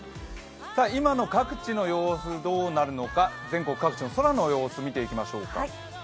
今の各地の様子、どうなるのか、全国各地の空の様子、見ていきましょうか。